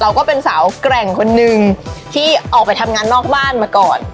ก็เป็นสาวแกร่งคนนึงที่ออกไปทำงานนอกบ้านมาก่อน